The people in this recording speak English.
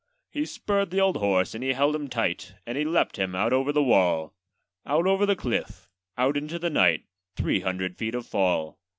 He spurred the old horse, and he held him tight, And he leapt him out over the wall; Out over the cliff, out into the night, Three hundred feet of fall.